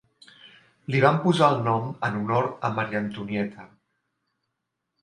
Li van posar el nom en honor a Maria Antonieta.